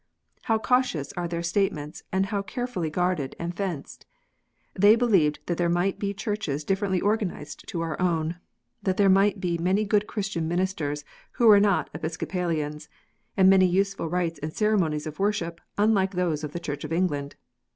How cautious are their state ments, and how carefully guarded and fenced ! They believed that there might be Churches differently organized to our own, that there might be many good Christian ministers who were not Episcopalians, and many useful rites and ceremonies of worship unlike those of the Church of England.